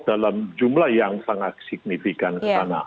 dalam jumlah yang sangat signifikan ke sana